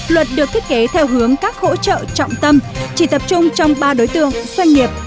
luật được thiết kế theo hướng các hỗ trợ trọng tâm chỉ tập trung trong ba đối tượng doanh nghiệp